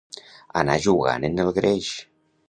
Anar jugant en el greix.